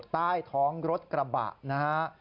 ใต้ท้องรถกระบะนะฮะ